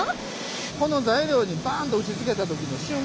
この材料にバンと打ちつけた時の瞬間